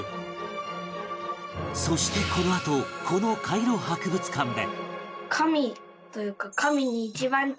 そしてこのあとこのカイロ博物館で